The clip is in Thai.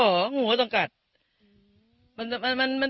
มันต้องเป็นอะไรทั้งอย่าง